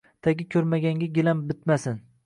Tagi ko‘rmaganga gilam bitmasin..